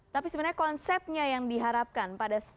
tapi sebenarnya konsepnya yang diharapkan pada